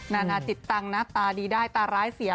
นานาจิตตังค์นะตาดีได้ตาร้ายเสีย